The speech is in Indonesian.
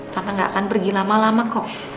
karena gak akan pergi lama lama kok